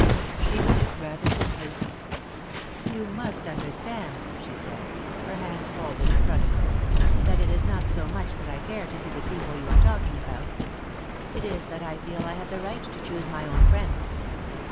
She did it rather gently. "You must understand," she said, her hands folded in front of her, "that it is not so much that I care to see the people you are talking about. It is that I feel I have the right to choose my own friends."